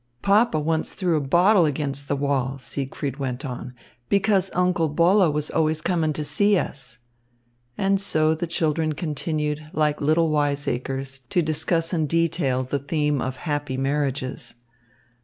"Papa once threw a bottle against the wall," Siegfried went on, "because Uncle Bolle was always coming to see us." And so the children continued, like little wiseacres, to discuss in detail the theme of "happy marriages."